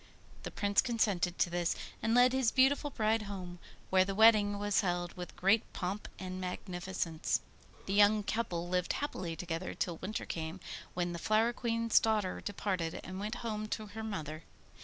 The Prince consented to this, and led his beautiful bride home, where the wedding was held with great pomp and magnificence. The young couple lived happily together till winter came, when the Flower Queen's daughter departed and went home to her mother.